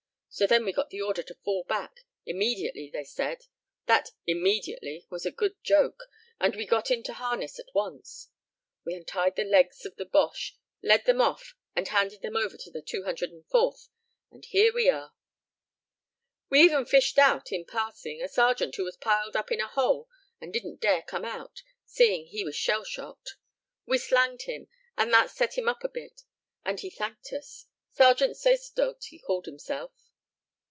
So then we got the order to fall back immediately, they said. That 'immediately' was a good joke, and we got into harness at once. We untied the legs of the Boches, led them off and handed them over to the 204th, and here we are." "We even fished out, in passing, a sergeant who was piled up in a hole and didn't dare come out, seeing he was shell shocked. We slanged him, and that set him up a bit, and he thanked us. Sergeant Sacerdote he called himself."